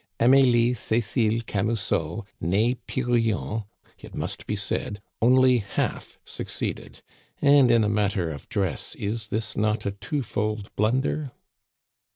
Amelie Cecile Camusot, nee Thirion, it must be said, only half succeeded; and in a matter of dress is this not a twofold blunder?